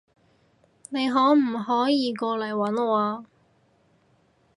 你可唔可以過嚟搵我啊？